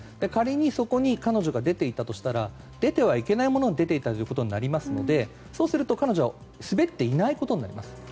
仮にそこに彼女が出ていたとしたら出てはいけないものに出ていたことになりますのでそうすると彼女は滑っていないことになります。